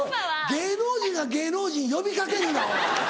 芸能人が芸能人に呼び掛けるな！